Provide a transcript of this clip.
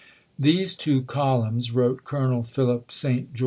" These two columns," wrote Colonel Philip St. Geo.